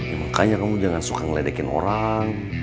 emangkanya kamu jangan suka ngeledekin orang